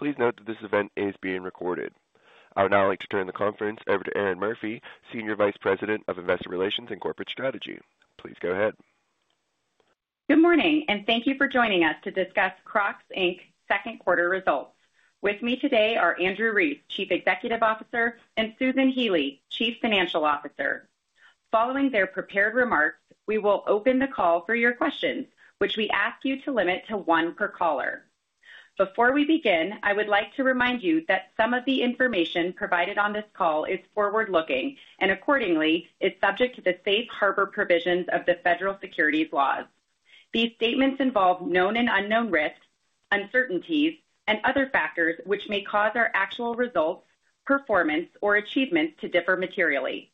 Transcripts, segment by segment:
Please note that this event is being recorded. I would now like to turn the conference over to Erinn Murphy, Senior Vice President of Investor Relations and Corporate Strategy. Please go ahead. Good morning, and thank you for joining us to discuss Crocs, Inc's Second Quarter Results. With me today are Andrew Rees, Chief Executive Officer, and Susan Healy, Chief Financial Officer. Following their prepared remarks, we will open the call for your questions, which we ask you to limit to one per caller. Before we begin, I would like to remind you that some of the information provided on this call is forward-looking and accordingly is subject to the Safe Harbor provisions of the Federal Securities Laws. These statements involve known and unknown risks, uncertainties, and other factors which may cause our actual results, performance, or achievements to differ materially.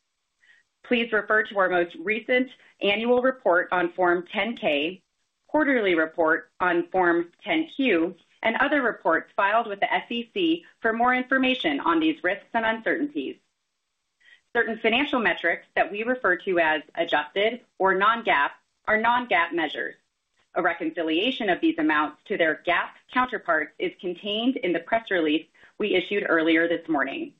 Please refer to our most recent annual report on Form 10-K, quarterly report on Form 10-Q, and other reports filed with the SEC for more information on these risks and uncertainties. Certain financial metrics that we refer to as adjusted or non-GAAP are non-GAAP measures. A reconciliation of these amounts to their GAAP counterparts is contained in the press release we issued earlier this morning.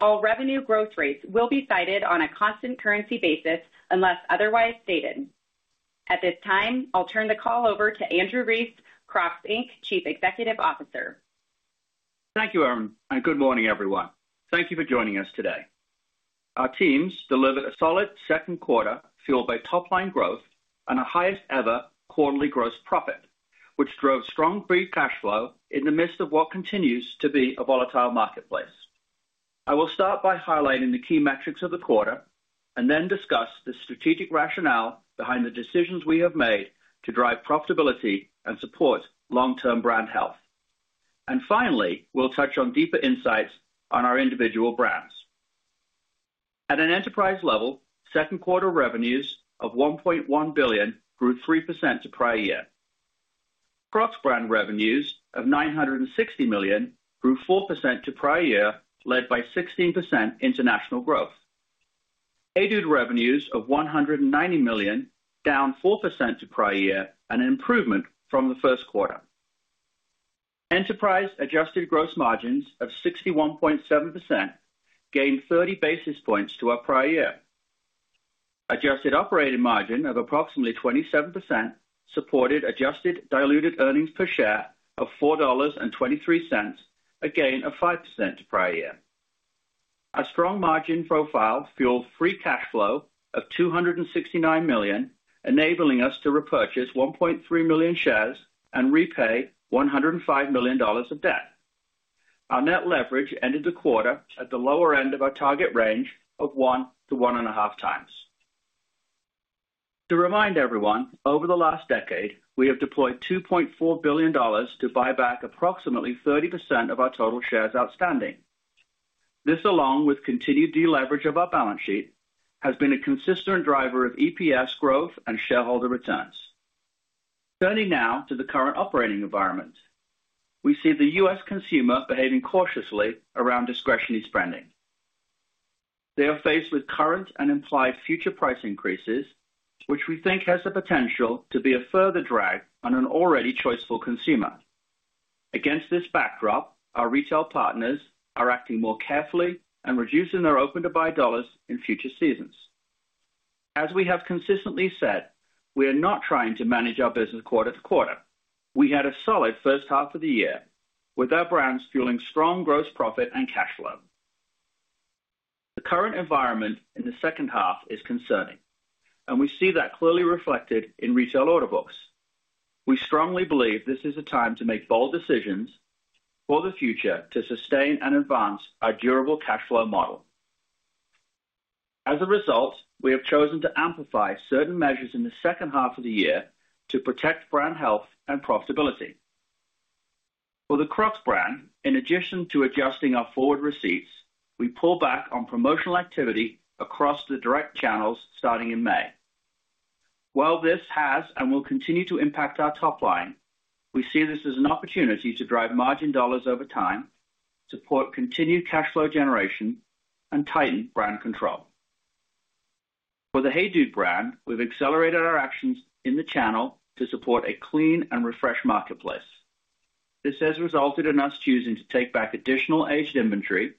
All revenue growth rates will be cited on a constant currency basis unless otherwise stated. At this time, I'll turn the call over to Andrew Rees, Crocs, Inc's Chief Executive Officer. Thank you, Erinn, and good morning, everyone. Thank you for joining us today. Our teams delivered a solid second quarter fueled by top-line growth and our highest ever quarterly gross profit, which drove strong free cash flow in the midst of what continues to be a volatile marketplace. I will start by highlighting the key metrics of the quarter and then discuss the strategic rationale behind the decisions we have made to drive profitability and support long-term brand health. Finally, we'll touch on deeper insights on our individual brands. At an enterprise level, second quarter revenues of $1.1 billion grew 3% to prior year. Crocs brand revenues of $960 million grew 4% to prior year, led by 16% international growth. HEYDUDE revenues of $190 million were down 4% to prior year, an improvement from the first quarter. Enterprise adjusted gross margins of 61.7% gained 30 basis points to our prior year. Adjusted operating margin of approximately 27% supported adjusted diluted earnings per share of $4.23, a gain of 5% to prior year. Our strong margin profile fueled free cash flow of $269 million, enabling us to repurchase 1.3 million shares and repay $105 million of debt. Our net leverage ended the quarter at the lower end of our target range of 1x-1.5x. To remind everyone, over the last decade, we have deployed $2.4 billion to buy back approximately 30% of our total shares outstanding. This, along with continued deleverage of our balance sheet, has been a consistent driver of EPS growth and shareholder returns. Turning now to the current operating environment, we see the U.S. consumer behaving cautiously around discretionary spending. They are faced with current and implied future price increases, which we think has the potential to be a further drag on an already choiceful consumer. Against this backdrop, our retail partners are acting more carefully and reducing their open-to-buy dollars in future seasons. As we have consistently said, we are not trying to manage our business quarter to quarter. We had a solid first half of the year, with our brands fueling strong gross profit and cash flow. The current environment in the second half is concerning, and we see that clearly reflected in retail order books. We strongly believe this is a time to make bold decisions for the future to sustain and advance our durable cash flow model. As a result, we have chosen to amplify certain measures in the second half of the year to protect brand health and profitability. For the Crocs brand, in addition to adjusting our forward receipts, we pull back on promotional activity across the direct channels starting in May. While this has and will continue to impact our top line, we see this as an opportunity to drive margin dollars over time, support continued cash flow generation, and tighten brand control. For the HEYDUDE brand, we've accelerated our actions in the channel to support a clean and refreshed marketplace. This has resulted in us choosing to take back additional aged inventory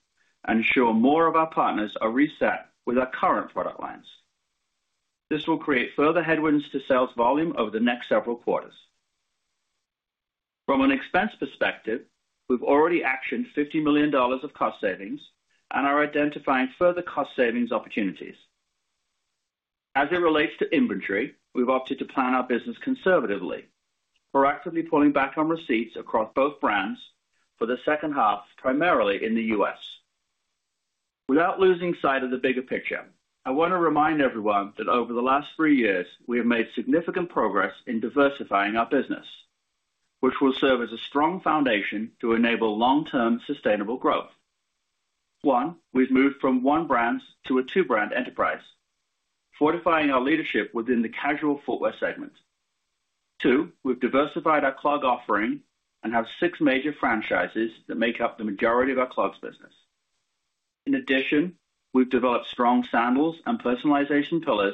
and ensure more of our partners are reset with our current product lines. This will create further headwinds to sales volume over the next several quarters. From an expense perspective, we've already actioned $50 million of cost savings and are identifying further cost savings opportunities. As it relates to inventory, we've opted to plan our business conservatively, proactively pulling back on receipts across both brands for the second half, primarily in the U.S. Without losing sight of the bigger picture, I want to remind everyone that over the last three years, we have made significant progress in diversifying our business, which will serve as a strong foundation to enable long-term sustainable growth. One, we've moved from one-brand to a two-brand enterprise, fortifying our leadership within the casual footwear segment. Two, we've diversified our clog offering and have six major franchises that make up the majority of our clogs business. In addition, we've developed strong sandals and personalization pillars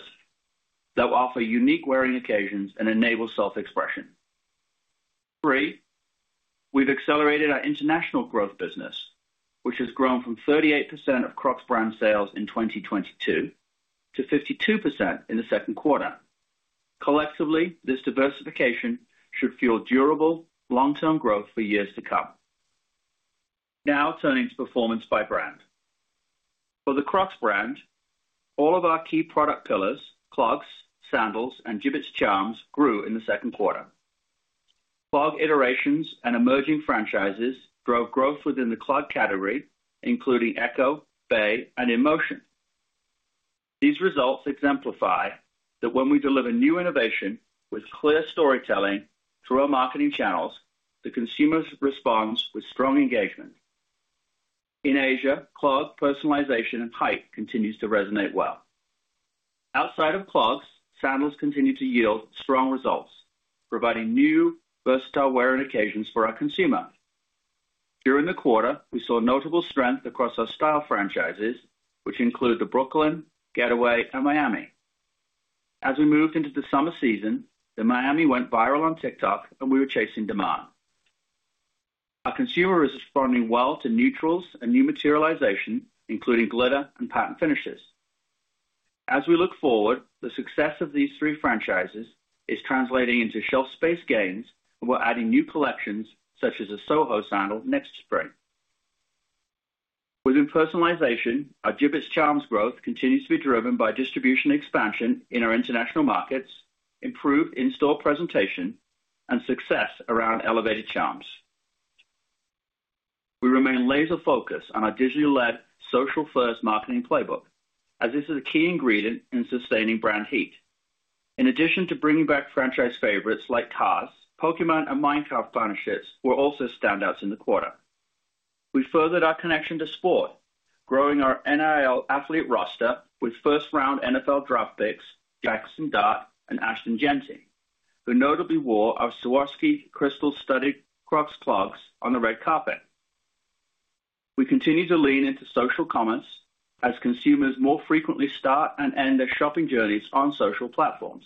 that will offer unique wearing occasions and enable self-expression. Three, we've accelerated our international growth business, which has grown from 38% of Crocs brand sales in 2022 to 52% in the second quarter. Collectively, this diversification should fuel durable long-term growth for years to come. Now turning to performance by brand. For the Crocs brand, all of our key product pillars, clogs, sandals, and Jibbitz Charms grew in the second quarter. Clog iterations and emerging franchises drove growth within the clog category, including Echo, Bae, and InMotion. These results exemplify that when we deliver new innovation with clear storytelling through our marketing channels, the consumers respond with strong engagement. In Asia, clog personalization and hype continues to resonate well. Outside of clogs, sandals continue to yield strong results, providing new versatile wear and occasions for our consumer. During the quarter, we saw notable strength across our style franchises, which include the Brooklyn, Getaway, and Miami. As we moved into the summer season, the Miami went viral on TikTok, and we were chasing demand. Our consumer is responding well to neutrals and new materialization, including glitter and patent finishes. As we look forward, the success of these three franchises is translating into shelf space gains, and we're adding new collections such as a Soho sandal next spring. Within personalization, our Jibbitz Charms growth continues to be driven by distribution expansion in our international markets, improved in-store presentation, and success around elevated charms. We remain laser-focused on our digitally led social-first marketing playbook, as this is a key ingredient in sustaining brand heat. In addition to bringing back franchise favorites like Cars, Pokémon, and Minecraft partnerships, we're also standouts in the quarter. We furthered our connection to sport, growing our NIL athlete roster with first-round NFL draft picks, Jaxson Dart, and Ashton Jeanty, who notably wore our Swarovski crystal-studded Crocs clogs on the red carpet. We continue to lean into social comments as consumers more frequently start and end their shopping journeys on social platforms.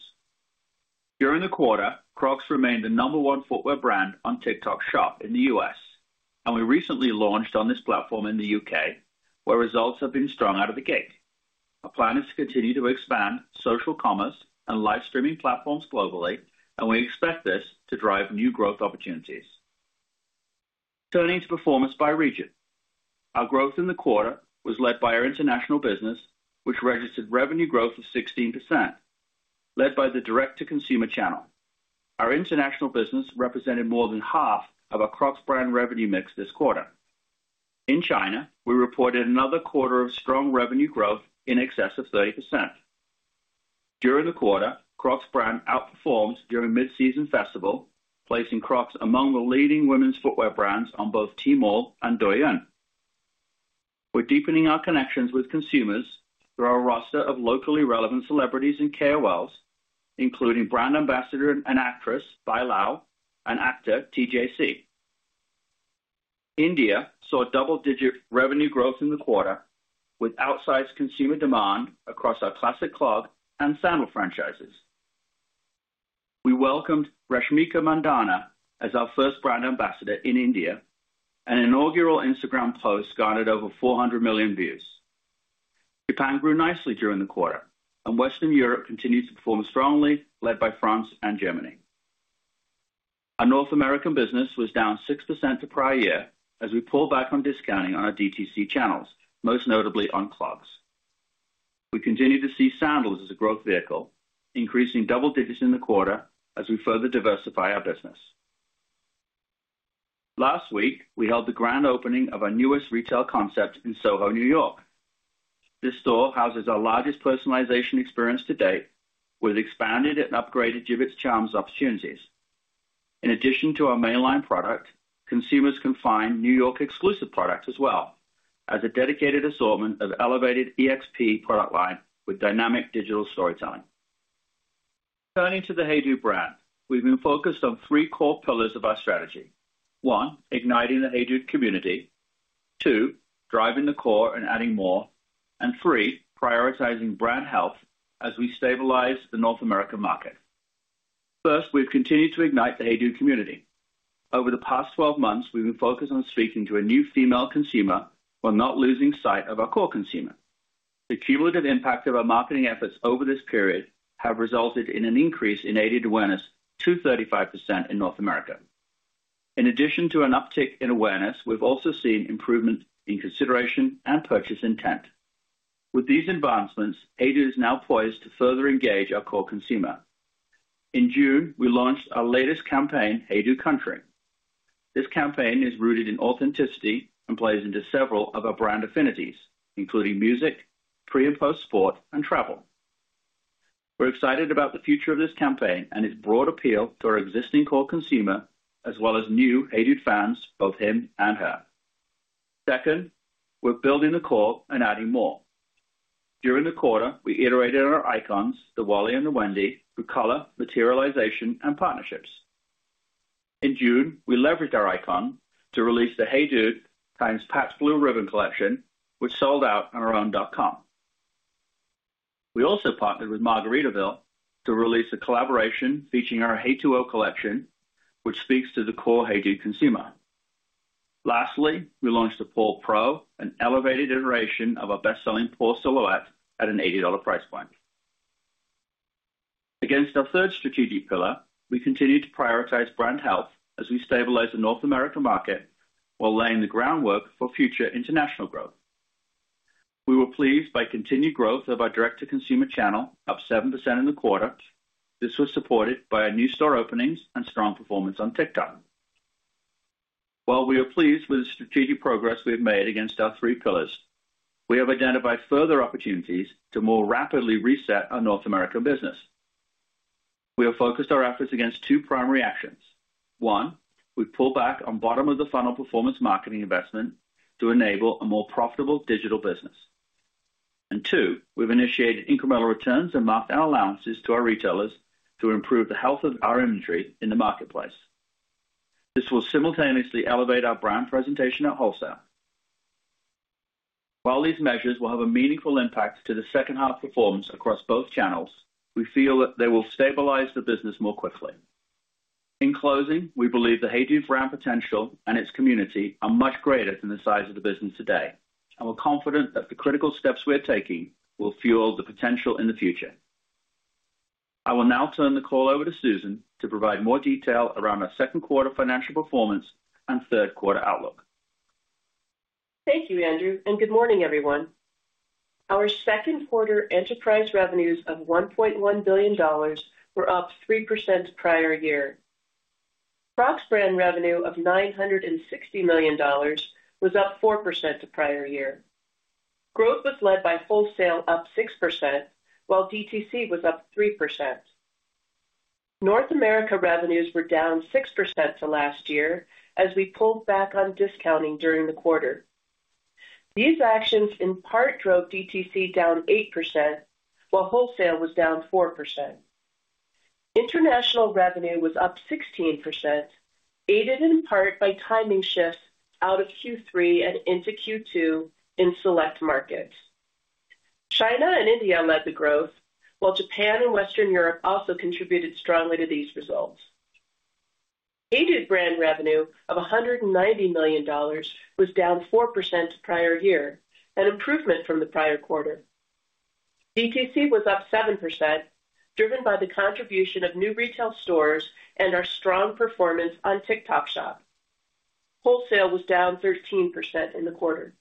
During the quarter, Crocs remained the number one footwear brand on TikTok Shop in the U.S., and we recently launched on this platform in the U.K., where results have been strong out of the gate. Our plan is to continue to expand social commerce and live streaming platforms globally, and we expect this to drive new growth opportunities. Turning to performance by region, our growth in the quarter was led by our international business, which registered revenue growth of 16%, led by the direct-to-consumer channel. Our international business represented more than half of our Crocs brand revenue mix this quarter. In China, we reported another quarter of strong revenue growth in excess of 30%. During the quarter, Crocs brand outperformed during mid-season festival, placing Crocs among the leading women's footwear brands on both T-Mall and Douyin. We're deepening our connections with consumers through our roster of locally relevant celebrities and KOLs, including brand ambassador and actress Bai Lu and actor TJC. India saw double-digit revenue growth in the quarter, with outsized consumer demand across our Classic Clog and sandal franchises. We welcomed Rashmika Mandanna as our first brand ambassador in India, and an inaugural Instagram post garnered over 400 million views. Japan grew nicely during the quarter, and Western Europe continued to perform strongly, led by France and Germany. Our North American business was down 6% to prior year as we pulled back on discounting on our direct-to-consumer channels, most notably on clogs. We continue to see sandals as a growth vehicle, increasing double digits in the quarter as we further diversify our business. Last week, we held the grand opening of our newest retail concept in SoHo, New York. This store houses our largest personalization experience to date, with expanded and upgraded Jibbitz Charms opportunities. In addition to our mainline product, consumers can find New York exclusive products as well as a dedicated assortment of elevated EXP product line with dynamic digital storytelling. Turning to the HEYDUDE brand, we've been focused on three core pillars of our strategy: one, igniting the HEYDUDE community; two, driving the core and adding more; and three, prioritizing brand health as we stabilize the North American market. First, we've continued to ignite the HEYDUDE community. Over the past 12 months, we've been focused on speaking to a new female consumer while not losing sight of our core consumer. The cumulative impact of our marketing efforts over this period has resulted in an increase in HEYDUDE awareness to 35% in North America. In addition to an uptick in awareness, we've also seen improvement in consideration and purchase intent. With these advancements, HEYDUDE is now poised to further engage our core consumer. In June, we launched our latest campaign, HEYDUDE Country. This campaign is rooted in authenticity and plays into several of our brand affinities, including music, pre- and post-sport, and travel. We're excited about the future of this campaign and its broad appeal to our existing core consumer, as well as new HEYDUDE fans, both him and her. Second, we're building the core and adding more. During the quarter, we iterated on our icons, the Wally and the Wendy, through color, materialization, and partnerships. In June, we leveraged our icon to release the HEYDUDE x Pabst Blue Ribbon collection, which sold out on [our own.com]. We also partnered with Margaritaville to release a collaboration featuring our HEY2O collection, which speaks to the core HEYDUDE consumer. Lastly, we launched the Paul Pro, an elevated iteration of our best-selling Paul silhouette at an $80 price point. Against our third strategic pillar, we continue to prioritize brand health as we stabilize the North American market while laying the groundwork for future international growth. We were pleased by continued growth of our direct-to-consumer channel, up 7% in the quarter. This was supported by our new store openings and strong performance on TikTok. While we are pleased with the strategic progress we have made against our three pillars, we have identified further opportunities to more rapidly reset our North American business. We have focused our efforts against two primary actions. One, we pull back on bottom-of-the-funnel performance marketing investment to enable a more profitable digital business. Two, we've initiated incremental returns and marked down allowances to our retailers to improve the health of our inventory in the marketplace. This will simultaneously elevate our brand presentation at wholesale. While these measures will have a meaningful impact to the second half performance across both channels, we feel that they will stabilize the business more quickly. In closing, we believe the HEYDUDE brand potential and its community are much greater than the size of the business today, and we're confident that the critical steps we're taking will fuel the potential in the future. I will now turn the call over to Susan to provide more detail around our second quarter financial performance and third quarter outlook. Thank you, Andrew, and good morning, everyone. Our second quarter enterprise revenues of $1.1 billion were up 3% to prior year. Crocs brand revenue of $960 million was up 4% to the prior year. Growth was led by wholesale, up 6%, while direct-to-consumer was up 3%. North America revenues were down 6% to last year as we pulled back on discounting during the quarter. These actions in part drove DTC down 8%, while wholesale was down 4%. International revenue was up 16%, aided in part by timing shifts out of Q3 and into Q2 in select markets. China and India led the growth, while Japan and Western Europe also contributed strongly to these results. HEYDUDE brand revenue of $190 million was down 4% to the prior year, an improvement from the prior quarter. DTC was up 7%, driven by the contribution of new retail stores and our strong performance on TikTok Shop. Wholesale was down 13% in the quarter.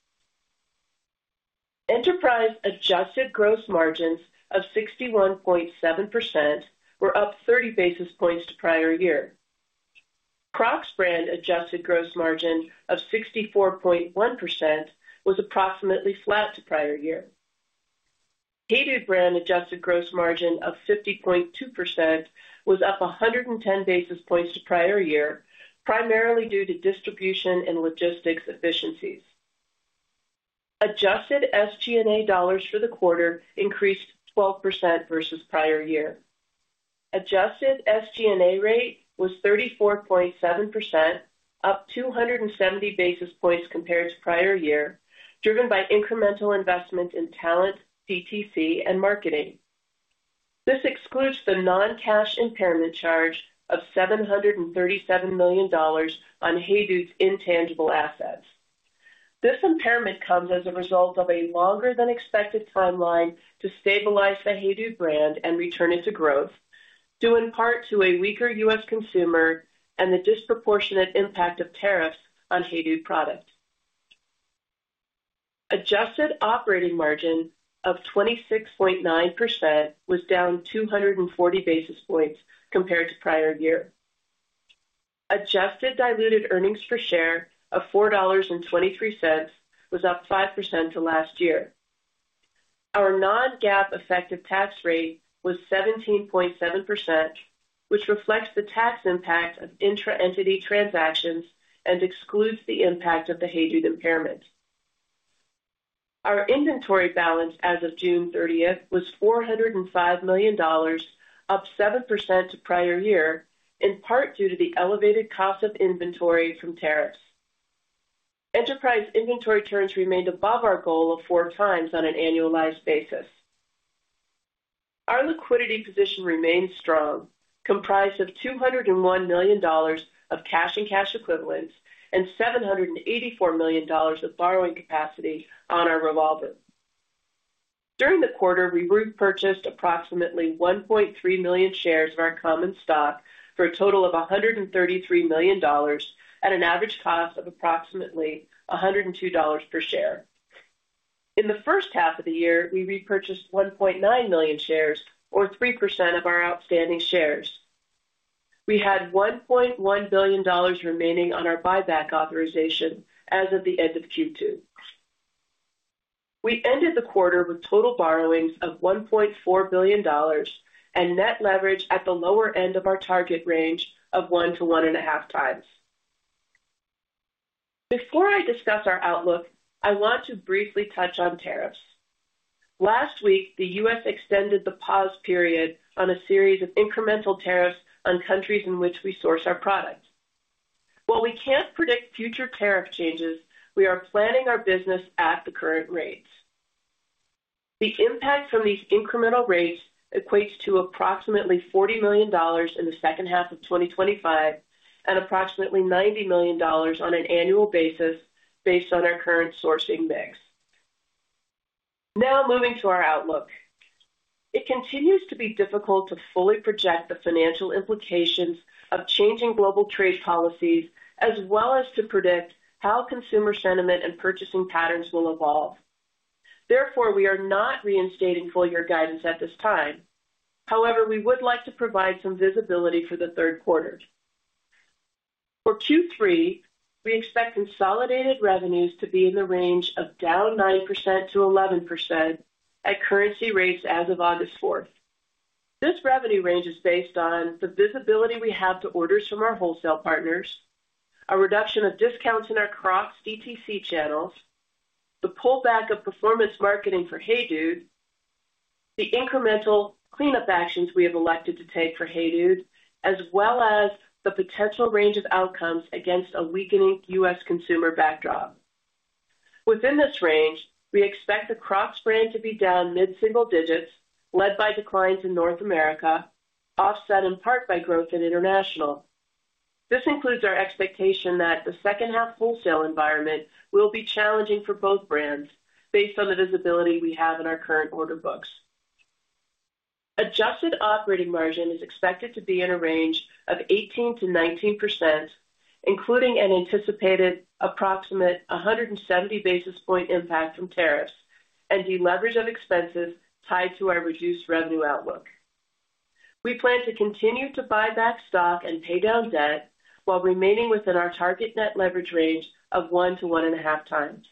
Enterprise adjusted gross margin of 61.7% was up 30 basis points to prior year. Crocs brand adjusted gross margin of 64.1% was approximately flat to prior year. HEYDUDE brand adjusted gross margin of 50.2% was up 110 basis points to prior year, primarily due to distribution and logistics efficiencies. Adjusted SG&A dollars for the quarter increased 12% versus prior year. Adjusted SG&A rate was 34.7%, up 270 basis points compared to prior year, driven by incremental investment in talent, direct-to-consumer, and marketing. This excludes the non-cash impairment charge of $737 million on HEYDUDE's intangible assets. This impairment comes as a result of a longer than expected timeline to stabilize the HEYDUDE brand and return it to growth, due in part to a weaker U.S. consumer and the disproportionate impact of tariffs on HEYDUDE product. Adjusted operating margin of 26.9% was down 240 basis points compared to prior year. Adjusted diluted earnings per share of $4.23 was up 5% to last year. Our non-GAAP effective tax rate was 17.7%, which reflects the tax impact of intra-entity transactions and excludes the impact of the HEYDUDE impairment. Our inventory balance as of June 30th was $405 million, up 7% to prior year, in part due to the elevated cost of inventory from tariffs. Enterprise inventory returns remained above our goal of four times on an annualized basis. Our liquidity position remains strong, comprised of $201 million of cash and cash equivalents and $784 million of borrowing capacity on our revolver. During the quarter, we repurchased approximately 1.3 million shares of our common stock for a total of $133 million at an average cost of approximately $102 per share. In the first half of the year, we repurchased 1.9 million shares, or 3% of our outstanding shares. We had $1.1 billion remaining on our buyback authorization as of the end of Q2. We ended the quarter with total borrowings of $1.4 billion and net leverage at the lower end of our target range of 1x-1.5x. Before I discuss our outlook, I want to briefly touch on tariffs. Last week, the U.S. extended the pause period on a series of incremental tariffs on countries in which we source our product. While we can't predict future tariff changes, we are planning our business at the current rates. The impact from these incremental rates equates to approximately $40 million in the second half of 2025 and approximately $90 million on an annual basis based on our current sourcing mix. Now moving to our outlook, it continues to be difficult to fully project the financial implications of changing global trade policies, as well as to predict how consumer sentiment and purchasing patterns will evolve. Therefore, we are not reinstating full-year guidance at this time. However, we would like to provide some visibility for the third quarter. For Q3, we expect consolidated revenues to be in the range of down 9%-11% at currency rates as of August 4th. This revenue range is based on the visibility we have to orders from our wholesale partners, a reduction of discounts in our Crocs DTC channels, the pullback of performance marketing for HEYDUDE, the incremental cleanup actions we have elected to take for HEYDUDE, as well as the potential range of outcomes against a weakening U.S. consumer backdrop. Within this range, we expect the Crocs brand to be down mid-single digits, led by declines in North America, offset in part by growth in international. This includes our expectation that the second half wholesale environment will be challenging for both brands based on the visibility we have in our current order books. Adjusted operating margin is expected to be in a range of 18%-19%, including an anticipated approximate 170 basis point impact from tariffs and deleverage of expenses tied to our reduced revenue outlook. We plan to continue to buy back stock and pay down debt while remaining within our target net leverage range of 1x-1.5x.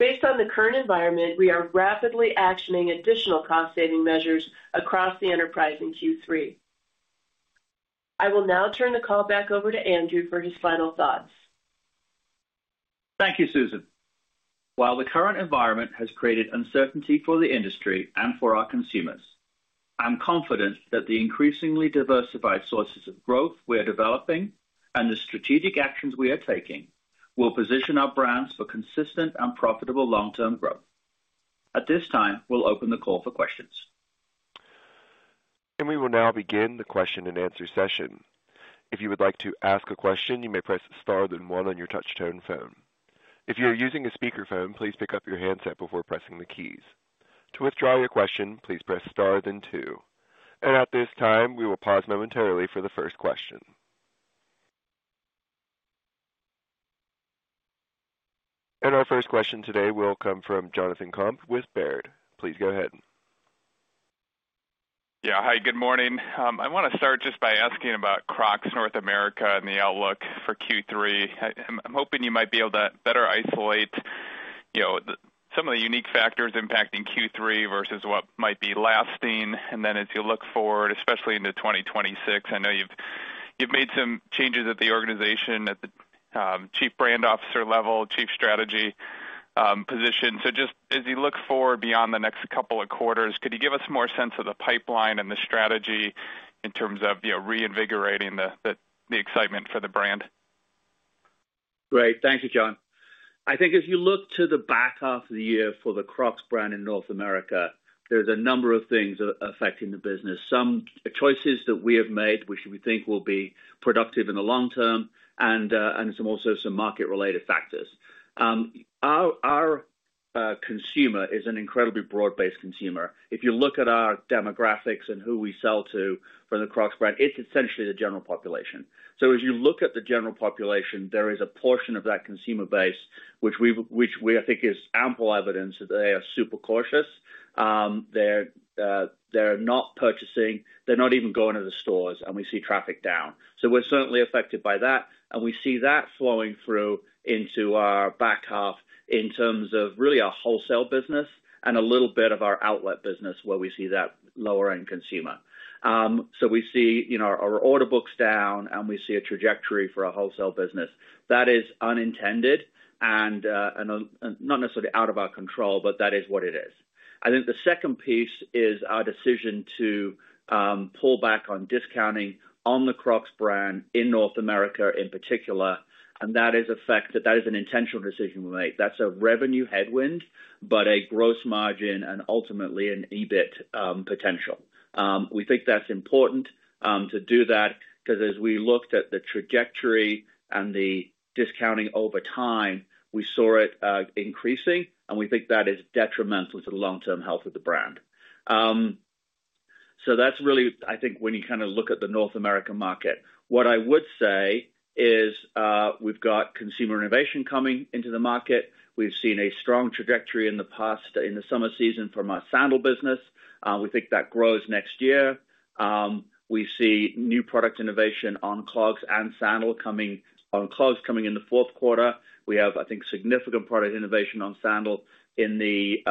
Based on the current environment, we are rapidly actioning additional cost-saving measures across the enterprise in Q3. I will now turn the call back over to Andrew for his final thoughts. Thank you, Susan. While the current environment has created uncertainty for the industry and for our consumers, I'm confident that the increasingly diversified sources of growth we are developing and the strategic actions we are taking will position our brands for consistent and profitable long-term growth. At this time, we'll open the call for questions. We will now begin the question and answer session. If you would like to ask a question, you may press star then one on your touch-tone phone. If you're using a speaker phone, please pick up your handset before pressing the keys. To withdraw your question, please press star then two. At this time, we will pause momentarily for the first question. Our first question today will come from Jonathan Komp with Baird. Please go ahead. Yeah, hi, good morning. I want to start just by asking about Crocs North America and the outlook for Q3. I'm hoping you might be able to better isolate some of the unique factors impacting Q3 versus what might be lasting. As you look forward, especially into 2026, I know you've made some changes at the organization at the Chief Brand Officer level, Chief Strategy position. Just as you look forward beyond the next couple of quarters, could you give us more sense of the pipeline and the strategy in terms of reinvigorating the excitement for the brand? Great, thank you, John. I think as you look to the back half of the year for the Crocs brand in North America, there's a number of things affecting the business, some choices that we have made which we think will be productive in the long term and also some market-related factors. Our consumer is an incredibly broad-based consumer. If you look at our demographics and who we sell to from the Crocs brand, it's essentially the general population. As you look at the general population, there is a portion of that consumer base which we think is ample evidence that they are super cautious. They're not purchasing, they're not even going to the stores, and we see traffic down. We're certainly affected by that. We see that flowing through into our back half in terms of really our wholesale business and a little bit of our outlet business where we see that lower-end consumer. We see our order books down and we see a trajectory for our wholesale business. That is unintended and not necessarily out of our control, but that is what it is. I think the second piece is our decision to pull back on discounting on the Crocs brand in North America in particular. That is a fact, that is an intentional decision we make. That's a revenue headwind, but a gross margin and ultimately an EBIT potential. We think that's important to do that because as we looked at the trajectory and the discounting over time, we saw it increasing, and we think that is detrimental to the long-term health of the brand. That's really, I think, when you kind of look at the North American market. What I would say is we've got consumer innovation coming into the market. We've seen a strong trajectory in the past in the summer season from our sandal business. We think that grows next year. We see new product innovation on clogs and sandal coming on clogs coming in the fourth quarter. We have significant product innovation on sandal in the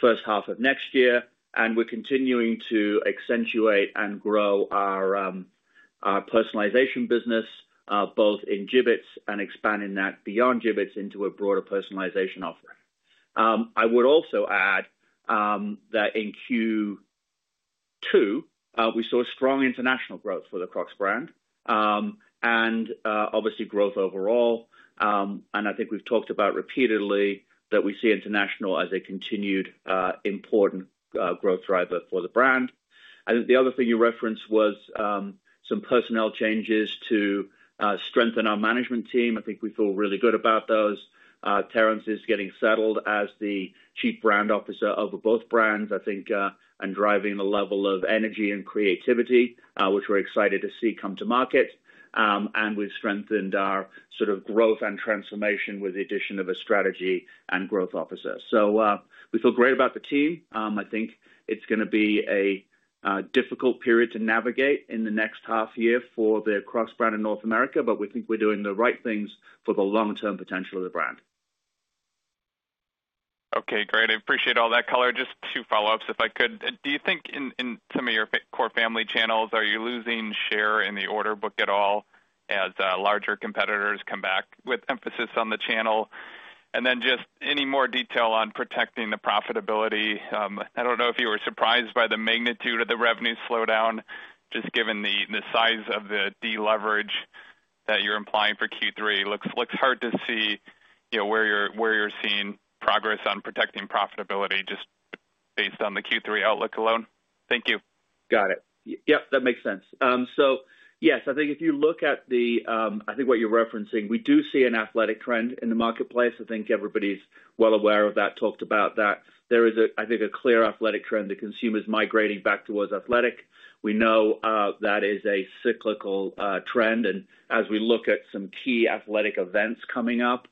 first half of next year. We're continuing to accentuate and grow our personalization business, both in Jibbitz and expanding that beyond Jibbitz into a broader personalization offering. I would also add that in Q2, we saw strong international growth for the Crocs brand and obviously growth overall. I think we've talked about repeatedly that we see international as a continued important growth driver for the brand. I think the other thing you referenced was some personnel changes to strengthen our management team. I think we feel really good about those. Terence is getting settled as the Chief Brand Officer over both brands, I think, and driving the level of energy and creativity, which we're excited to see come to market. We've strengthened our sort of growth and transformation with the addition of a Strategy and Growth Officer. We feel great about the team. I think it's going to be a difficult period to navigate in the next half year for the Crocs brand in North America, but we think we're doing the right things for the long-term potential of the brand. Okay, great. I appreciate all that color. Just two follow-ups, if I could. Do you think in some of your core family channels, are you losing share in the order book at all as larger competitors come back with emphasis on the channel? Any more detail on protecting the profitability? I don't know if you were surprised by the magnitude of the revenue slowdown, just given the size of the deleverage that you're implying for Q3. It looks hard to see where you're seeing progress on protecting profitability just based on the Q3 outlook alone. Thank you. Got it. Yep, that makes sense. If you look at the, I think what you're referencing, we do see an athletic trend in the marketplace. I think everybody's well aware of that, talked about that. There is a clear athletic trend. The consumer is migrating back towards athletic. We know that is a cyclical trend. As we look at some key athletic events coming up,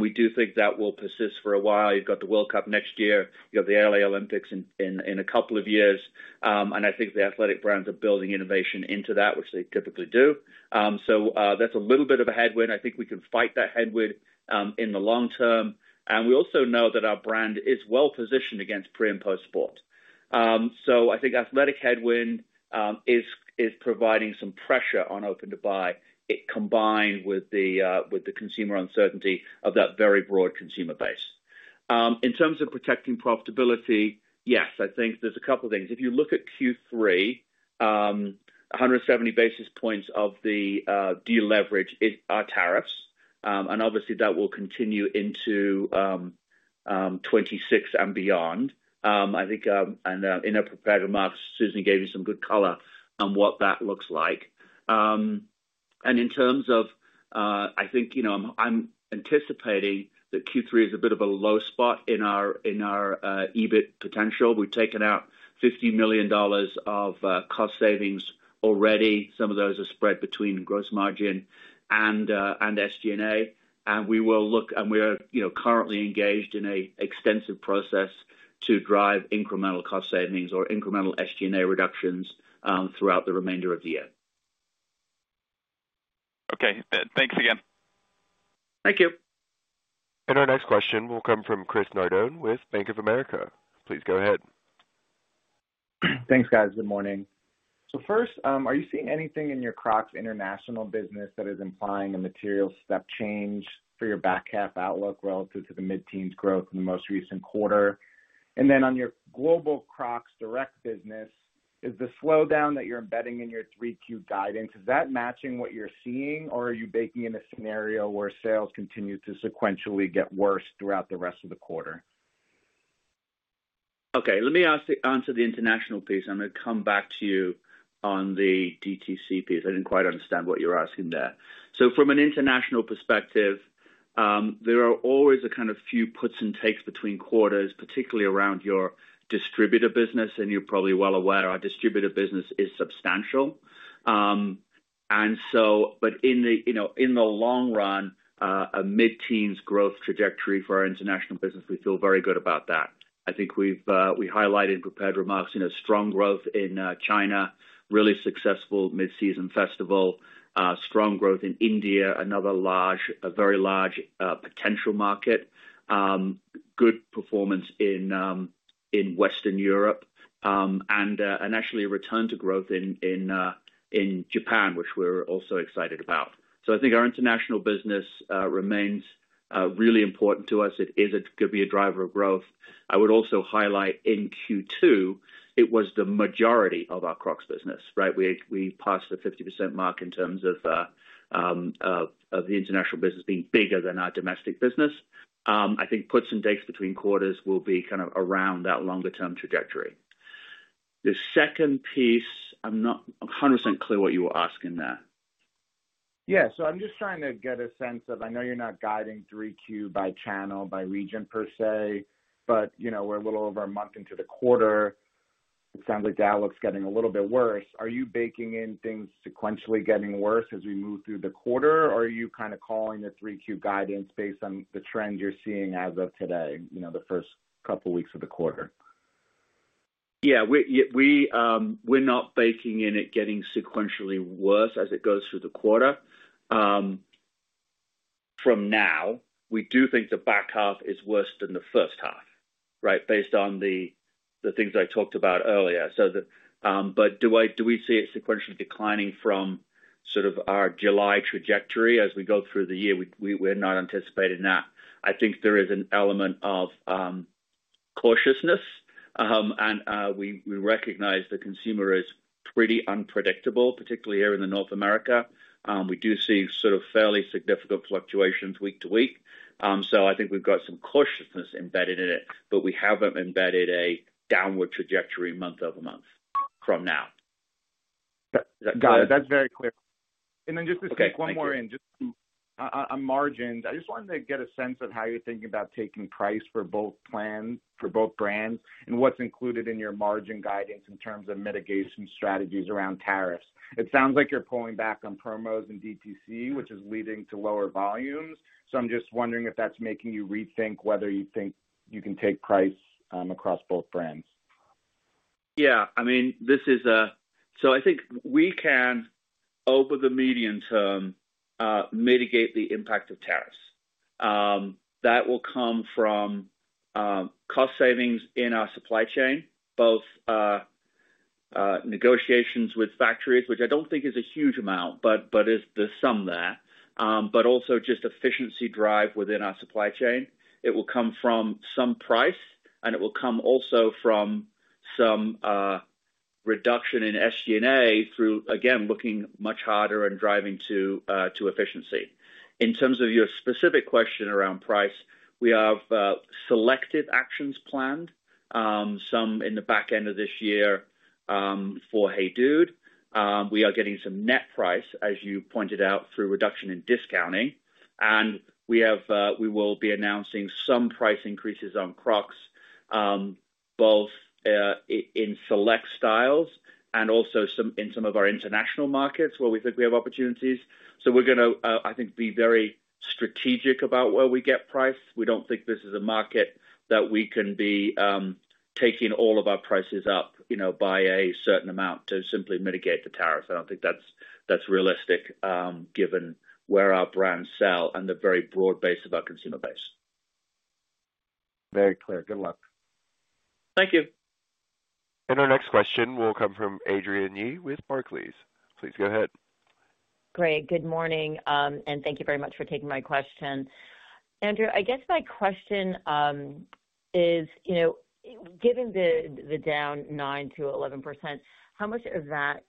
we do think that will persist for a while. You've got the World Cup next year. You have the L.A. Olympics in a couple of years. I think the athletic brands are building innovation into that, which they typically do. That's a little bit of a headwind. I think we can fight that headwind in the long term. We also know that our brand is well positioned against pre and post-sport. I think athletic headwind is providing some pressure on open-to-buy, combined with the consumer uncertainty of that very broad consumer base. In terms of protecting profitability, yes, I think there's a couple of things. If you look at Q3, 170 basis points of the deleverage are tariffs. Obviously, that will continue into 2026 and beyond. In a prepared remark, Susan gave you some good color on what that looks like. In terms of, I think, I'm anticipating that Q3 is a bit of a low spot in our EBIT potential. We've taken out $50 million of cost savings already. Some of those are spread between gross margin and SG&A. We are currently engaged in an extensive process to drive incremental cost savings or incremental SG&A reductions throughout the remainder of the year. Okay, thanks again. Thank you. Our next question will come from Chris Nardone with Bank of America. Please go ahead. Thanks, guys. Good morning. Are you seeing anything in your Crocs international business that is implying a material step change for your back half outlook relative to the mid-teens growth in the most recent quarter? On your global Crocs direct business, is the slowdown that you're embedding in your 3Q guidance matching what you're seeing, or are you baking in a scenario where sales continue to sequentially get worse throughout the rest of the quarter? Okay, let me answer the international piece. I'm going to come back to you on the DTC piece. I didn't quite understand what you were asking there. From an international perspective, there are always a kind of few puts and takes between quarters, particularly around your distributor business. You're probably well aware, our distributor business is substantial. In the long run, a mid-teens growth trajectory for our international business, we feel very good about that. I think we highlighted in prepared remarks, strong growth in China, really successful mid-season festival, strong growth in India, another very large potential market, good performance in Western Europe, and actually a return to growth in Japan, which we're also excited about. I think our international business remains really important to us. It could be a driver of growth. I would also highlight in Q2, it was the majority of our Crocs business, right? We passed the 50% mark in terms of the international business being bigger than our domestic business. I think puts and takes between quarters will be kind of around that longer-term trajectory. The second piece, I'm not 100% clear what you were asking there. Yeah, I'm just trying to get a sense of, I know you're not guiding 3Q by channel, by region per se, but you know, we're a little over a month into the quarter. It sounds like the outlook's getting a little bit worse. Are you baking in things sequentially getting worse as we move through the quarter, or are you kind of calling the 3Q guidance based on the trend you're seeing as of today, you know, the first couple of weeks of the quarter? Yeah, we're not baking in it getting sequentially worse as it goes through the quarter. From now, we do think the back half is worse than the first half, right, based on the things I talked about earlier. Do we see it sequentially declining from sort of our July trajectory as we go through the year? We're not anticipating that. I think there is an element of cautiousness, and we recognize the consumer is pretty unpredictable, particularly here in North America. We do see sort of fairly significant fluctuations week to week. I think we've got some cautiousness embedded in it, but we haven't embedded a downward trajectory month over month from now. Got it. That's very clear. Just to sneak one more in, just on margins, I just wanted to get a sense of how you're thinking about taking price for both brands and what's included in your margin guidance in terms of mitigation strategies around tariffs. It sounds like you're pulling back on promos and direct-to-consumer, which is leading to lower volumes. I'm just wondering if that's making you rethink whether you think you can take price across both brands. Yeah, I mean, this is a, I think we can, over the medium term, mitigate the impact of tariffs. That will come from cost savings in our supply chain, both negotiations with factories, which I don't think is a huge amount, but there's some there, but also just efficiency drive within our supply chain. It will come from some price, and it will come also from some reduction in SG&A through, again, looking much harder and driving to efficiency. In terms of your specific question around price, we have selective actions planned, some in the back end of this year for HEYDUDE. We are getting some net price, as you pointed out, through reduction in discounting. We will be announcing some price increases on Crocs, both in select styles and also in some of our international markets where we think we have opportunities. We're going to, I think, be very strategic about where we get price. We don't think this is a market that we can be taking all of our prices up, you know, by a certain amount to simply mitigate the tariffs. I don't think that's realistic given where our brands sell and the very broad base of our consumer base. Very clear. Good luck. Thank you. Our next question will come from Adrienne Yih with Barclays. Please go ahead. Great, good morning, and thank you very much for taking my question. Andrew, I guess my question is, you know, given the down 9%-11%, how much of that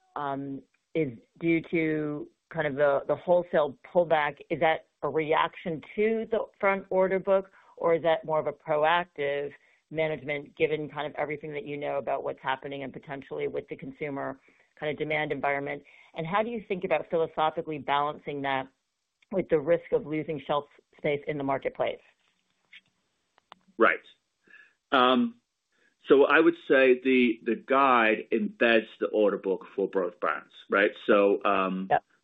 is due to kind of the wholesale pullback? Is that a reaction to the front order book, or is that more of a proactive management given kind of everything that you know about what's happening and potentially with the consumer kind of demand environment? How do you think about philosophically balancing that with the risk of losing shelf space in the marketplace? Right. I would say the guide embeds the order book for both brands, right?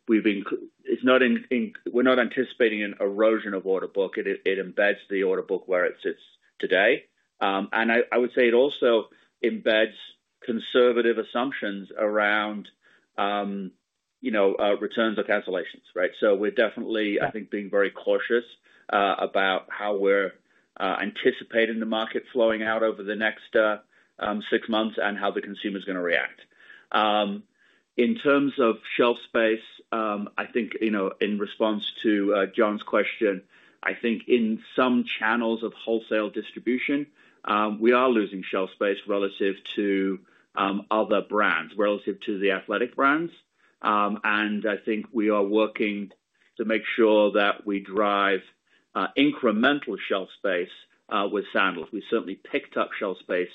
We are not anticipating an erosion of order book. It embeds the order book where it sits today. I would say it also embeds conservative assumptions around, you know, returns or cancellations, right? We are definitely, I think, being very cautious about how we're anticipating the market flowing out over the next six months and how the consumer is going to react. In terms of shelf space, I think, you know, in response to John's question, I think in some channels of wholesale distribution, we are losing shelf space relative to other brands, relative to the athletic brands. I think we are working to make sure that we drive incremental shelf space with sandals. We certainly picked up shelf space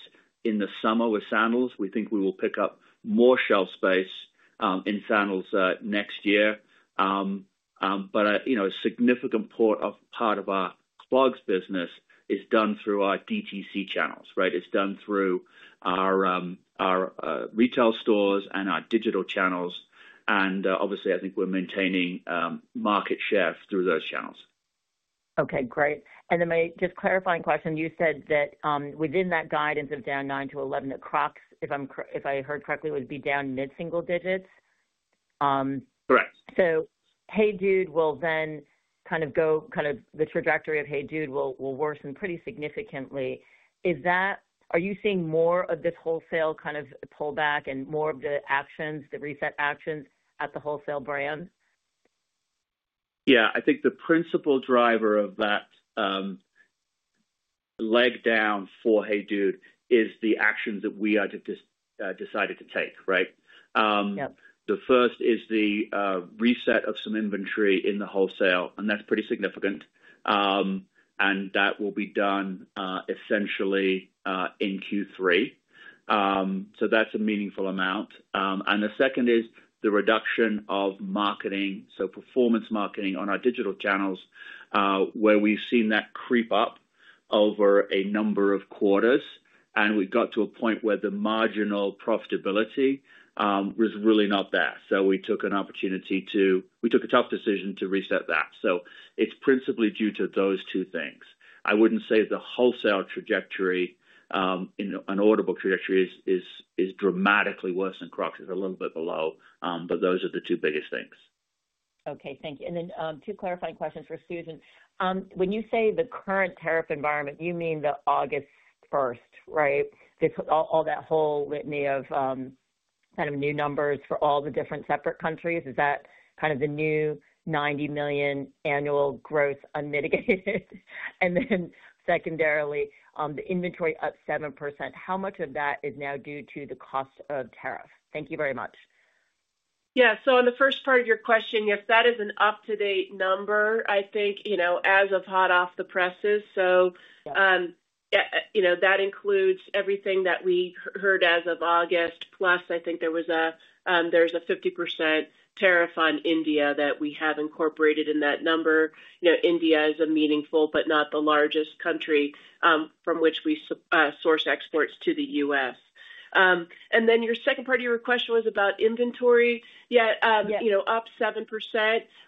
in the summer with sandals. We think we will pick up more shelf space in sandals next year. A significant part of our clogs business is done through our DTC channels, right? It's done through our retail stores and our digital channels. Obviously, I think we're maintaining market share through those channels. Okay, great. My just clarifying question, you said that within that guidance of down 9%-11% at Crocs, if I heard correctly, it would be down mid-single digits? Correct. HEYDUDE will then kind of go, kind of the trajectory of HEYDUDE will worsen pretty significantly. Is that, are you seeing more of this wholesale kind of pullback and more of the actions, the reset actions at the wholesale brand? Yeah, I think the principal driver of that leg down for HEYDUDE is the actions that we decided to take, right? The first is the reset of some inventory in the wholesale, and that's pretty significant. That will be done essentially in Q3. That's a meaningful amount. The second is the reduction of marketing, so performance marketing on our digital channels, where we've seen that creep up over a number of quarters. We got to a point where the marginal profitability was really not there. We took an opportunity to, we took a tough decision to reset that. It's principally due to those two things. I wouldn't say the wholesale trajectory, an audible trajectory is dramatically worse than Crocs. It's a little bit below, but those are the two biggest things. Okay, thank you. Two clarifying questions for Susan. When you say the current tariff environment, you mean the August 1st, right? All that whole litany of kind of new numbers for all the different separate countries. Is that kind of the new $90 million annual growth unmitigated? Secondarily, the inventory up 7%. How much of that is now due to the cost of tariff? Thank you very much. Yeah, on the first part of your question, yes, that is an up-to-date number, I think, as of hot off the presses. That includes everything that we heard as of August, plus I think there is a 50% tariff on India that we have incorporated in that number. India is a meaningful but not the largest country from which we source exports to the U.S. Your second part of your question was about inventory. Up 7%.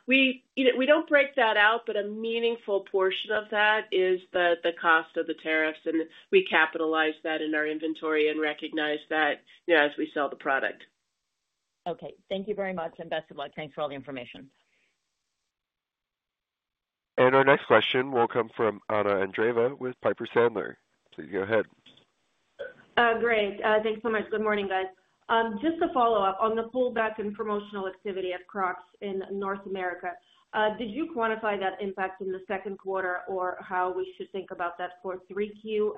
We don't break that out, but a meaningful portion of that is the cost of the tariffs. We capitalize that in our inventory and recognize that as we sell the product. Okay, thank you very much, and best of luck. Thanks for all the information. Our next question will come from Anna Andreeva with Piper Sandler. Please go ahead. Great, thanks so much. Good morning, guys. Just a follow-up on the pullback in promotional activity at Crocs in North America. Did you quantify that impact in the second quarter or how we should think about that for 3Q?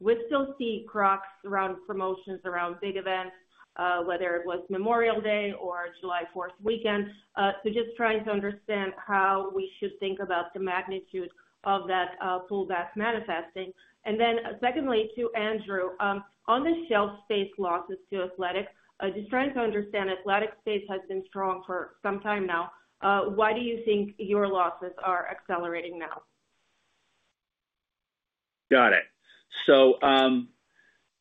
We still see Crocs run promotions around big events, whether it was Memorial Day or July 4th weekend. Just trying to understand how we should think about the magnitude of that pullback manifesting. Secondly, to Andrew, on the shelf space losses to athletic, just trying to understand athletic space has been strong for some time now. Why do you think your losses are accelerating now? Got it.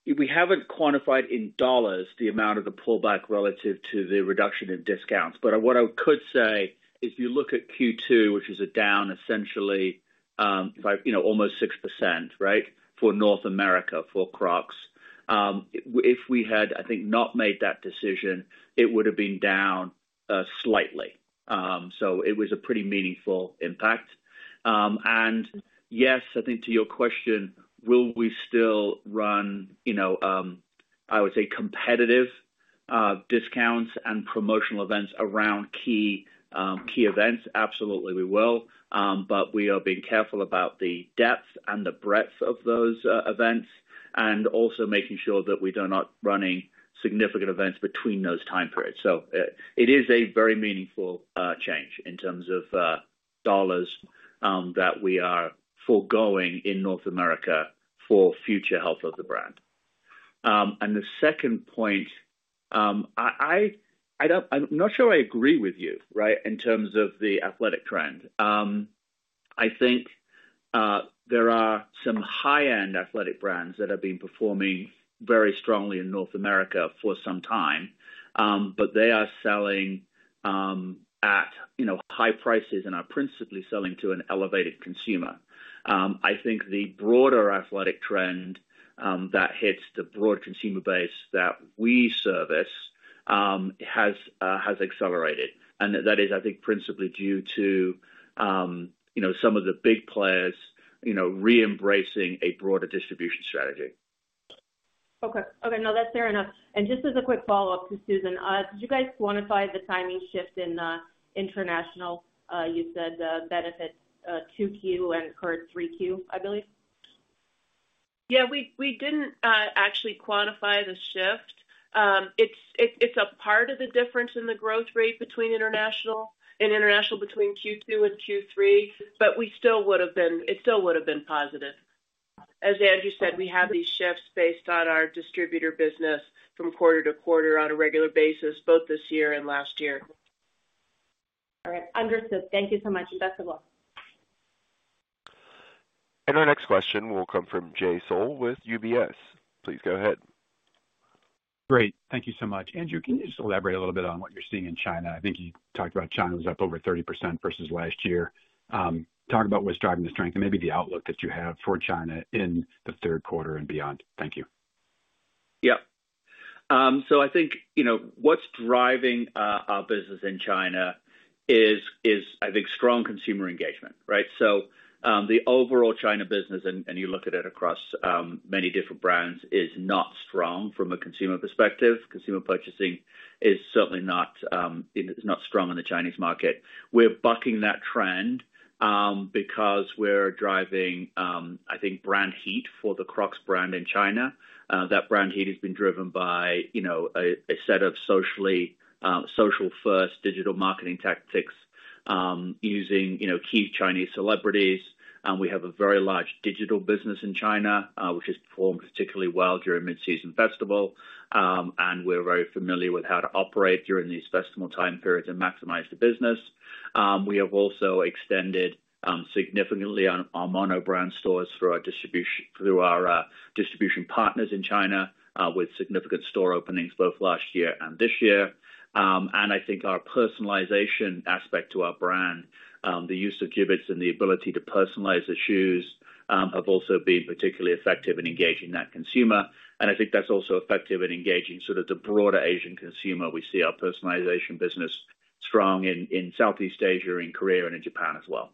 We haven't quantified in dollars the amount of the pullback relative to the reduction in discounts. What I could say is if you look at Q2, which is down essentially, almost 6% for North America for Crocs. If we had not made that decision, it would have been down slightly. It was a pretty meaningful impact. Yes, to your question, we will still run, I would say, competitive discounts and promotional events around key events. Absolutely, we will. We are being careful about the depth and the breadth of those events and also making sure that we are not running significant events between those time periods. It is a very meaningful change in terms of dollars that we are foregoing in North America for future health of the brand. The second point, I'm not sure I agree with you in terms of the athletic trend. There are some high-end athletic brands that have been performing very strongly in North America for some time, but they are selling at high prices and are principally selling to an elevated consumer. The broader athletic trend that hits the broad consumer base that we service has accelerated. That is, I think, principally due to some of the big players re-embracing a broader distribution strategy. Okay, that's fair enough. Just as a quick follow-up to Susan, did you guys quantify the timing shift in international? You said benefits 2Q and occurred 3Q, I believe. Yeah, we didn't actually quantify the shift. It's a part of the difference in the growth rate between international and international between Q2 and Q3, but we still would have been, it still would have been positive. As Andrew said, we have these shifts based on our distributor business from quarter to quarter on a regular basis, both this year and last year. All right, understood. Thank you so much, and best of luck. Our next question will come from Jay Sole with UBS. Please go ahead. Great, thank you so much. Andrew, can you just elaborate a little bit on what you're seeing in China? I think you talked about China was up over 30% versus last year. Talk about what's driving the strength and maybe the outlook that you have for China in the third quarter and beyond. Thank you. Yep. I think what's driving our business in China is strong consumer engagement, right? The overall China business, and you look at it across many different brands, is not strong from a consumer perspective. Consumer purchasing is certainly not strong in the Chinese market. We're bucking that trend because we're driving brand heat for the Crocs brand in China. That brand heat has been driven by a set of social-first digital marketing tactics using key Chinese celebrities. We have a very large digital business in China, which has performed particularly well during mid-season festival. We're very familiar with how to operate during these festival time periods and maximize the business. We have also extended significantly on our monobrand stores through our distribution partners in China, with significant store openings both last year and this year. I think our personalization aspect to our brand, the use of Jibbitz and the ability to personalize the shoes, have also been particularly effective in engaging that consumer. I think that's also effective in engaging sort of the broader Asian consumer. We see our personalization business strong in Southeast Asia, in Korea, and in Japan as well.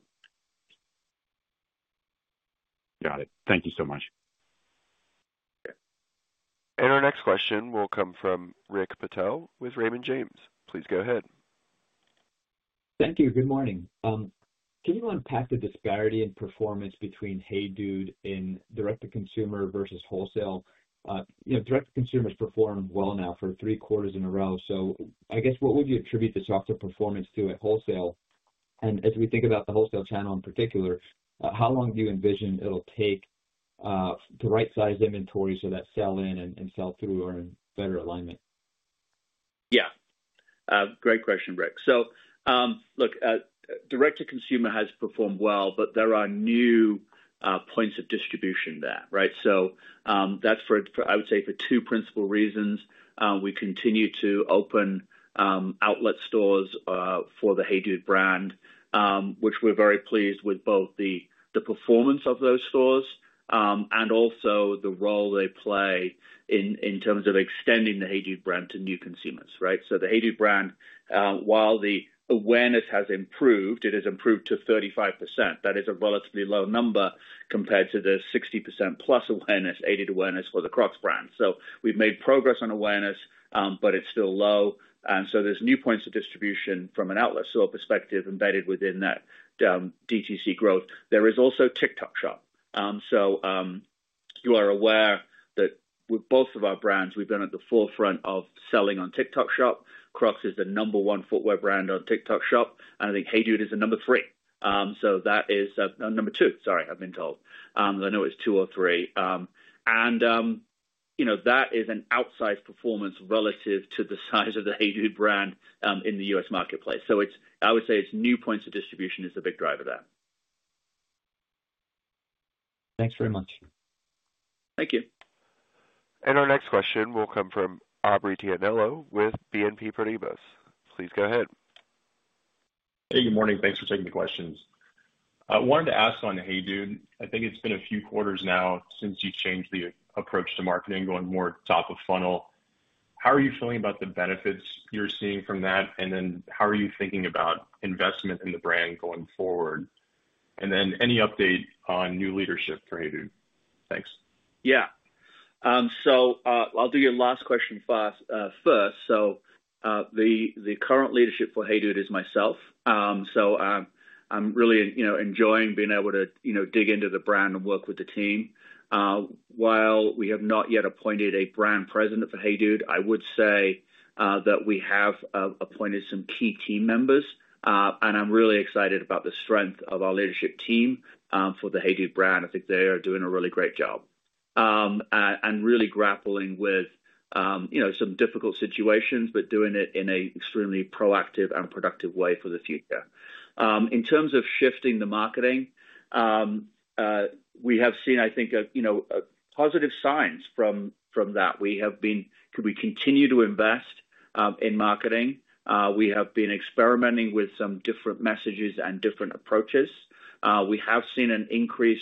Got it. Thank you so much. Our next question will come from Rick Patel with Raymond James. Please go ahead. Thank you. Good morning. Can you unpack the disparity in performance between HEYDUDE in direct-to-consumer versus wholesale? You know, direct-to-consumer's performed well now for three quarters in a row. I guess what would you attribute the softer performance to at wholesale? As we think about the wholesale channel in particular, how long do you envision it'll take to right-size inventory so that sell-in and sell-through are in better alignment? Yeah, great question, Rick. Look, direct-to-consumer has performed well, but there are new points of distribution there, right? That's for, I would say, two principal reasons. We continue to open outlet stores for the HEYDUDE brand, which we're very pleased with, both the performance of those stores and also the role they play in terms of extending the HEYDUDE brand to new consumers, right? The HEYDUDE brand, while the awareness has improved, it has improved to 35%. That is a relatively low number compared to the 60%+ aided awareness for the Crocs brand. We've made progress on awareness, but it's still low. There's new points of distribution from an outlet store perspective embedded within that DTC growth. There is also TikTok Shop. You are aware that with both of our brands, we've been at the forefront of selling on TikTok Shop. Crocs is the number one footwear brand on TikTok Shop, and I think HEYDUDE is the number three. That is number two, sorry, I've been told. I know it's two or three. That is an outsized performance relative to the size of the HEYDUDE brand in the U.S. marketplace. I would say new points of distribution is the big driver there. Thanks very much. Thank you. Our next question will come from Aubrey Tianello with BNP Paribas. Please go ahead. Hey, good morning. Thanks for taking the questions. I wanted to ask on HEYDUDE. I think it's been a few quarters now since you've changed the approach to marketing, going more top of funnel. How are you feeling about the benefits you're seeing from that? How are you thinking about investment in the brand going forward? Any update on new leadership for HEYDUDE? Thanks. Yeah, I'll do your last question first. The current leadership for HEYDUDE is myself. I'm really enjoying being able to dig into the brand and work with the team. While we have not yet appointed a Brand President for HEYDUDE, I would say that we have appointed some key team members. I'm really excited about the strength of our leadership team for the HEYDUDE brand. I think they are doing a really great job and really grappling with some difficult situations, but doing it in an extremely proactive and productive way for the future. In terms of shifting the marketing, we have seen positive signs from that. We continue to invest in marketing. We have been experimenting with some different messages and different approaches. We have seen an increase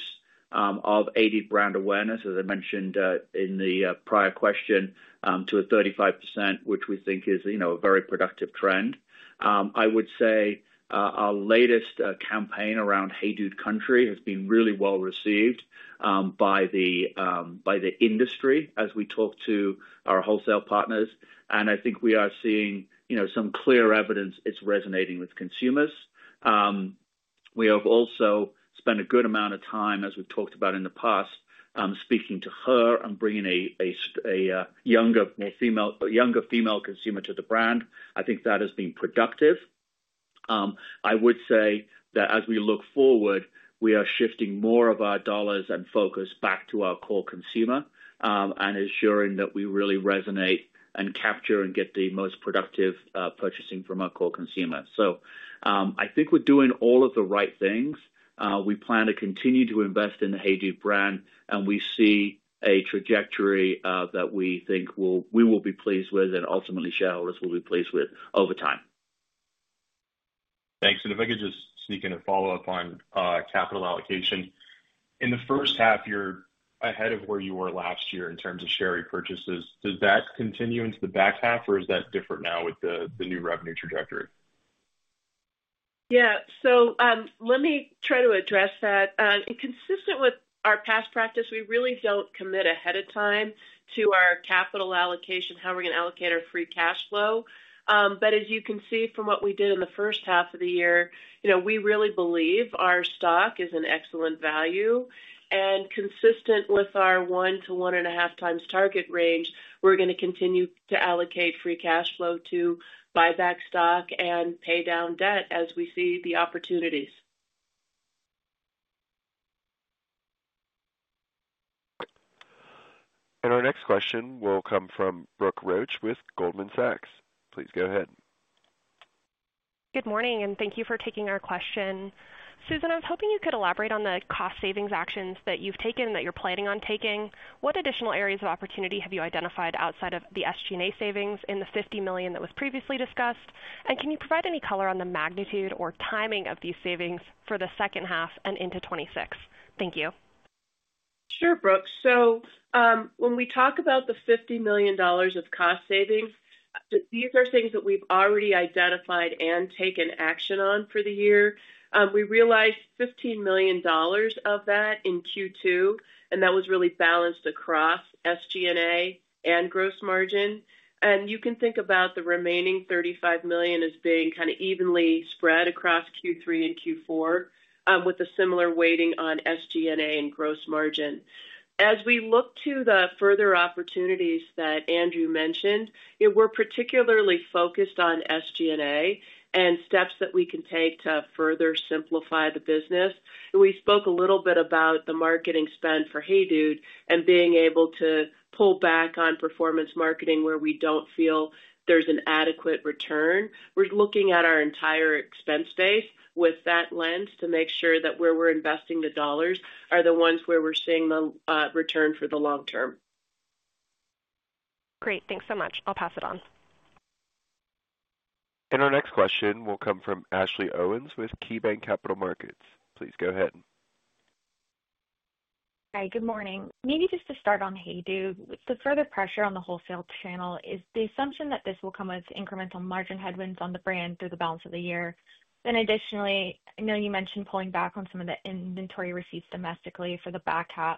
of aided brand awareness, as I mentioned in the prior question, to 35%, which we think is a very productive trend. I would say our latest campaign around HEYDUDE Country has been really well received by the industry as we talk to our wholesale partners. I think we are seeing some clear evidence it's resonating with consumers. We have also spent a good amount of time, as we've talked about in the past, speaking to her and bringing a younger, more female, younger female consumer to the brand. I think that has been productive. As we look forward, we are shifting more of our dollars and focus back to our core consumer and ensuring that we really resonate and capture and get the most productive purchasing from our core consumer. I think we're doing all of the right things. We plan to continue to invest in the HEYDUDE brand, and we see a trajectory that we think we will be pleased with and ultimately shareholders will be pleased with over time. Thank you. If I could just sneak in a follow-up on capital allocation, in the first half, you're ahead of where you were last year in terms of share repurchases. Does that continue into the back half, or is that different now with the new revenue trajectory? Let me try to address that. Consistent with our past practice, we really don't commit ahead of time to our capital allocation, how we're going to allocate our free cash flow. As you can see from what we did in the first half of the year, we really believe our stock is an excellent value. Consistent with our 1x-1.5x target range, we're going to continue to allocate free cash flow to buy back stock and pay down debt as we see the opportunities. Our next question will come from Brooke Roach with Goldman Sachs. Please go ahead. Good morning, and thank you for taking our question. Susan, I was hoping you could elaborate on the cost savings actions that you've taken and that you're planning on taking. What additional areas of opportunity have you identified outside of the SG&A savings in the $50 million that was previously discussed? Can you provide any color on the magnitude or timing of these savings for the second half and into 2026? Thank you. Sure, Brooke. When we talk about the $50 million of cost savings, these are things that we've already identified and taken action on for the year. We realized $15 million of that in Q2, and that was really balanced across SG&A and gross margin. You can think about the remaining $35 million as being kind of evenly spread across Q3 and Q4 with a similar weighting on SG&A and gross margin. As we look to the further opportunities that Andrew mentioned, we're particularly focused on SG&A and steps that we can take to further simplify the business. We spoke a little bit about the marketing spend for HEYDUDE and being able to pull back on performance marketing where we don't feel there's an adequate return. We're looking at our entire expense base with that lens to make sure that where we're investing the dollars are the ones where we're seeing the return for the long term. Great, thanks so much. I'll pass it on. Our next question will come from Ashley Owens with KeyBanc Capital Markets. Please go ahead. Hi, good morning. Maybe just to start on HEYDUDE, with the further pressure on the wholesale channel, is the assumption that this will come with incremental margin headwinds on the brand through the balance of the year? Additionally, I know you mentioned pulling back on some of the inventory receipts domestically for the back half.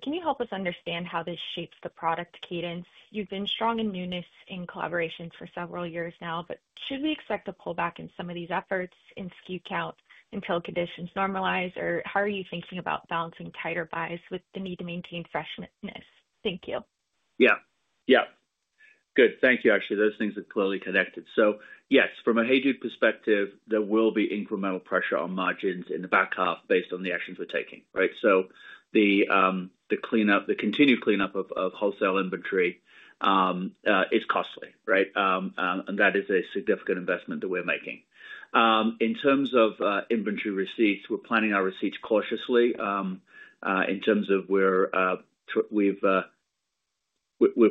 Can you help us understand how this shapes the product cadence? You've been strong in newness in collaborations for several years now. Should we expect a pullback in some of these efforts in SKU count until conditions normalize, or how are you thinking about balancing tighter buys with the need to maintain freshness? Thank you. Thank you, actually. Those things are clearly connected. Yes, from a HEYDUDE perspective, there will be incremental pressure on margins in the back half based on the actions we're taking, right? The cleanup, the continued cleanup of wholesale inventory is costly, right? That is a significant investment that we're making. In terms of inventory receipts, we're planning our receipts cautiously in terms of where we're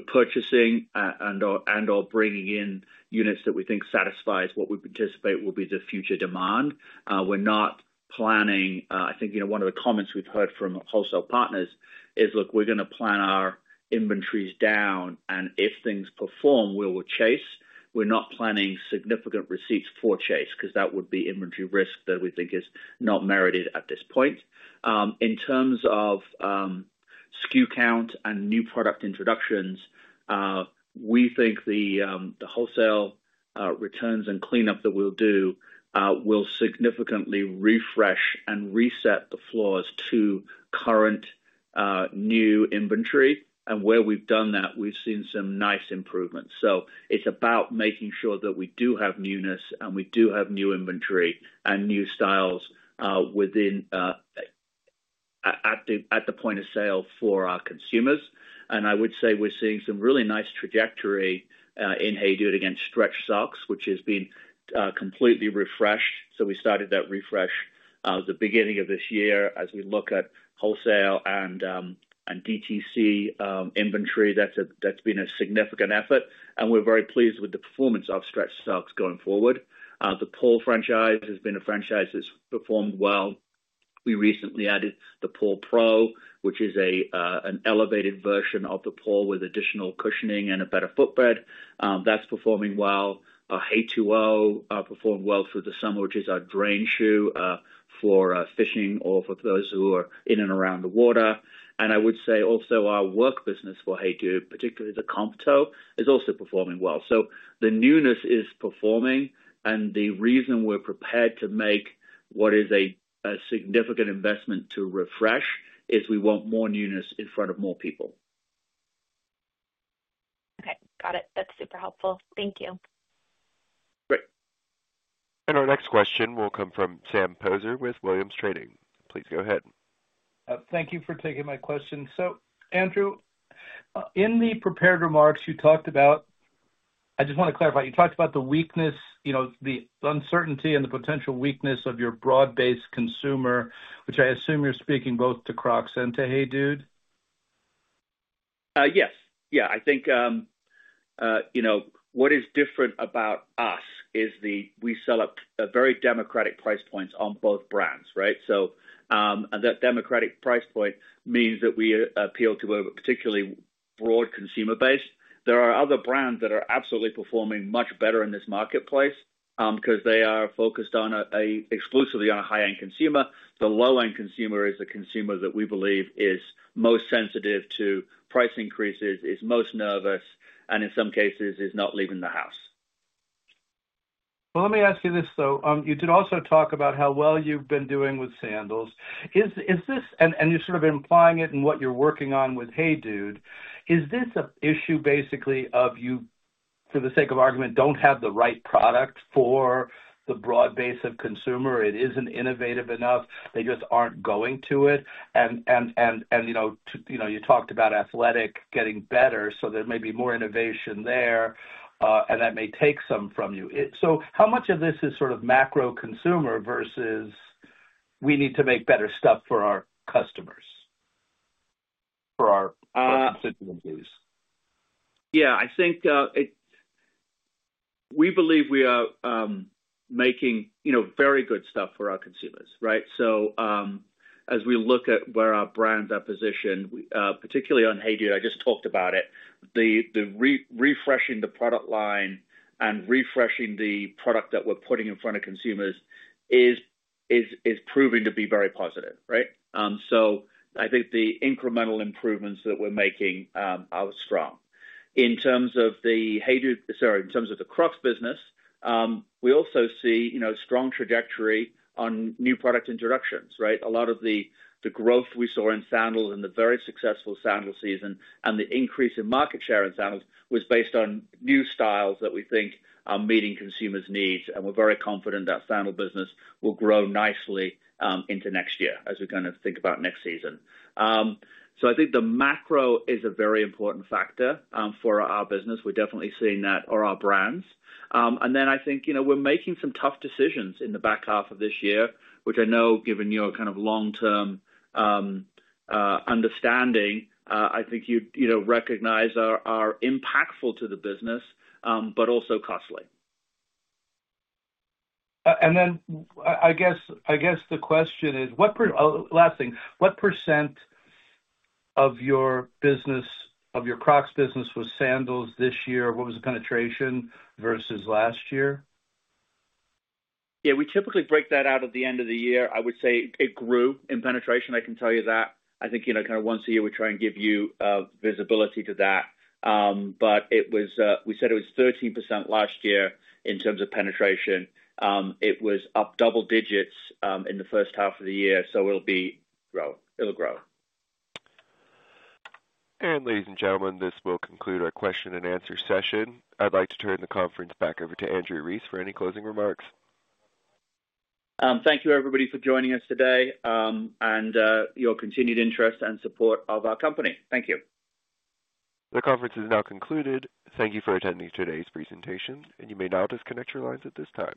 purchasing and/or bringing in units that we think satisfies what we anticipate will be the future demand. We're not planning, I think, one of the comments we've heard from wholesale partners is, look, we're going to plan our inventories down, and if things perform, we will chase. We're not planning significant receipts for chase because that would be inventory risk that we think is not merited at this point. In terms of SKU count and new product introductions, we think the wholesale returns and cleanup that we'll do will significantly refresh and reset the floors to current new inventory. Where we've done that, we've seen some nice improvements. It's about making sure that we do have newness and we do have new inventory and new styles within at the point of sale for our consumers. I would say we're seeing some really nice trajectory in HEYDUDE against stretch socks, which has been completely refreshed. We started that refresh at the beginning of this year. As we look at wholesale and DTC inventory, that's been a significant effort. We're very pleased with the performance of stretch socks going forward. The Paul franchise has been a franchise that's performed well. We recently added the Paul Pro, which is an elevated version of the Paul with additional cushioning and a better footbed. That's performing well. HEYDUDE performed well through the summer, which is our drain shoe for fishing or for those who are in and around the water. I would say also our work business for HEYDUDE, particularly the Comp Toe, is also performing well. The newness is performing, and the reason we're prepared to make what is a significant investment to refresh is we want more newness in front of more people. Okay, got it. That's super helpful. Thank you. Great. Our next question will come from Sam Poser with Williams Trading. Please go ahead. Thank you for taking my question. Andrew, in the prepared remarks, you talked about, I just want to clarify, you talked about the weakness, the uncertainty and the potential weakness of your broad-based consumer, which I assume you're speaking both to Crocs and to HEYDUDE. Yes. I think, you know, what is different about us is that we sell at very democratic price points on both brands, right? That democratic price point means that we appeal to a particularly broad consumer base. There are other brands that are absolutely performing much better in this marketplace because they are focused exclusively on a high-end consumer. The low-end consumer is the consumer that we believe is most sensitive to price increases, is most nervous, and in some cases is not leaving the house. You did also talk about how well you've been doing with sandals. Is this, and you're sort of implying it in what you're working on with HEYDUDE, is this an issue basically of you, for the sake of argument, don't have the right product for the broad base of consumer? It isn't innovative enough. They just aren't going to it. You talked about athletic getting better, so there may be more innovation there, and that may take some from you. How much of this is sort of macro consumer versus we need to make better stuff for our customers, for our consumers? Yeah, I think we believe we are making very good stuff for our consumers, right? As we look at where our brands are positioned, particularly on HEYDUDE, I just talked about it. Refreshing the product line and refreshing the product that we're putting in front of consumers is proving to be very positive, right? I think the incremental improvements that we're making are strong. In terms of the HEYDUDE, sorry, in terms of the Crocs business, we also see strong trajectory on new product introductions, right? A lot of the growth we saw in sandals and the very successful sandal season, and the increase in market share in sandals was based on new styles that we think are meeting consumers' needs. We're very confident that sandal business will grow nicely into next year as we kind of think about next season. I think the macro is a very important factor for our business. We're definitely seeing that for our brands. I think we're making some tough decisions in the back half of this year, which I know, given your kind of long-term understanding, you recognize are impactful to the business, but also costly. I guess the question is, what percent of your business, of your Crocs business was sandals this year? What was the penetration versus last year? Yeah, we typically break that out at the end of the year. I would say it grew in penetration. I can tell you that. I think once a year we try and give you visibility to that. It was, we said it was 30% last year in terms of penetration. It was up double digits in the first half of the year. It'll be growing. It'll grow. Ladies and gentlemen, this will conclude our question and answer session. I'd like to turn the conference back over to Andrew Rees for any closing remarks. Thank you, everybody, for joining us today and your continued interest and support of our company. Thank you. The conference is now concluded. Thank you for attending today's presentation, and you may now disconnect your lines at this time.